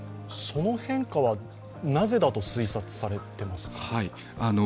その変化はなぜだと推察されてますか。